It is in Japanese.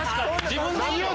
自分で言う⁉